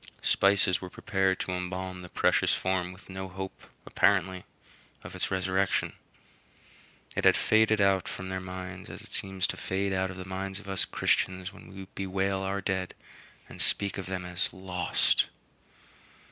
Spices were prepared to embalm the precious form with no hope, apparently, of its resurrection. It had faded out from their minds as it seems to fade out of the minds of us Christians when we bewail our dead and speak of them as "lost."